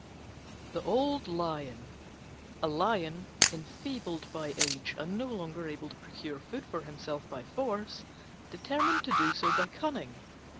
THE OLD LION A Lion, enfeebled by age and no longer able to procure food for himself by force, determined to do so by cunning.